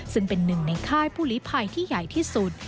ซึ่งเป็นหนึ่งในค่ายผู้ลิภัยที่ใหญ่ที่สุด